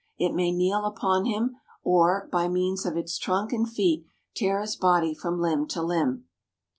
It may kneel upon him, or, by means of its trunk and feet, tear his body from limb to limb.